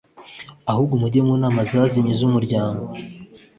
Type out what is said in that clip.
ahubwo mujye mu ntama zazimye z umuryango